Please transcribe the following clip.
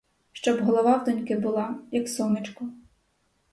Щоб голова в доньки була, як сонечко.